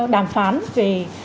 đàm phán về